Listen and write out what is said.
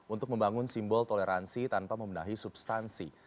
untuk membangun simbol toleransi tanpa membenahi substansi